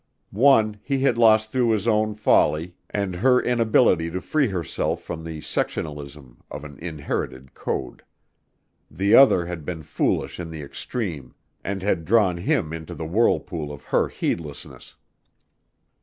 One, he had lost through his own folly and her inability to free herself from the sectionalism of an inherited code. The other had been foolish in the extreme and had drawn him into the whirlpool of her heedlessness.